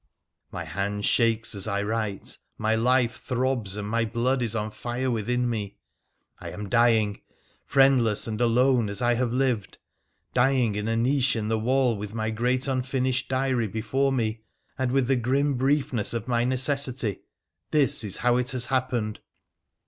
My hand shakes as I write, my life throbs, and my blood is on fire within)me ; I am dying, friendless and alone as I have lived, dying in a niche in the wall with my great unfinished diary before me— and, with the grim briefness of my necessity, this is how it has happened.